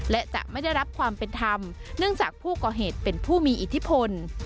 และจะไม่ได้รับความเป็นธรรมเนื่องจากผู้ก่อเหตุเป็นผู้มีอิทธิพล